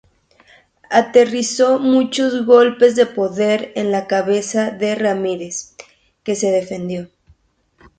Aterrizó muchos golpes de poder en la cabeza de Ramírez, que se defendió.